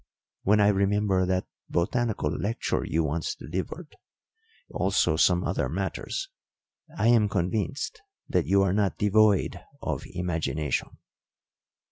When I remember that botanical lecture you once delivered, also some other matters, I am convinced that you are not devoid of imagination."